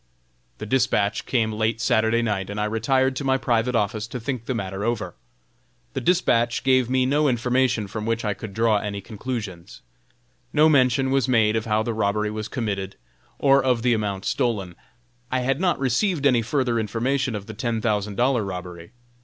The dispatch came late Saturday night, and I retired to my private office to think the matter over. The dispatch gave me no information from which I could draw any conclusions. No mention was made of how the robbery was committed, or of the amount stolen. I had not received any further information of the ten thousand dollar robbery.